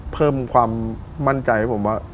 เพิ่มความมั่นใจให้ผมว่า